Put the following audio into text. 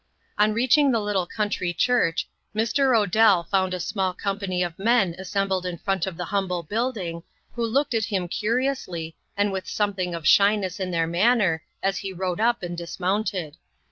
On reaching the little country church, Mr. Odell found a small company of men assembled in front of the humble building, who looked at him curiously, and with something of shyness in their manner, as he rode up and dismounted.